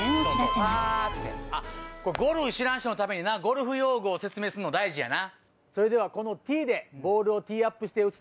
ゴルフ知らん人のためにゴルフ用語を説明するの大事やな。